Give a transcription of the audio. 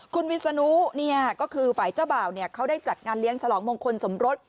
คุณวิศนุก็คือฝ่ายเจ้าบ่าวเขาได้จัดงานเลี้ยงฉลองมงคลสมรส